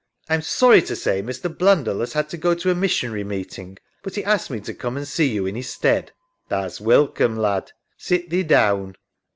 ALLEYNE. I'm sorry to say Mr. Blundell has had to go to a missionary meeting, but he asked me to come and see you in his stead. SARAH. Tha's welcoom, lad. Sit thee down.